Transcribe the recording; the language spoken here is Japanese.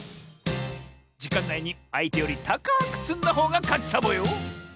じかんないにあいてよりたかくつんだほうがかちサボよ！